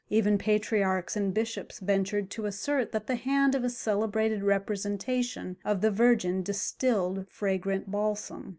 Even patriarchs and bishops ventured to assert that the hand of a celebrated representation of the Virgin distilled fragrant balsam.